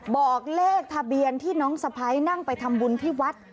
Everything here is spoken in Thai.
บอกเลขทะเบียนที่น้องสะพ้ายนั่งไปทำบุญที่วัด